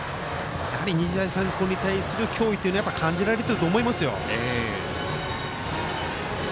やはり日大三高に対する脅威はやっぱり感じられていると思いますよ。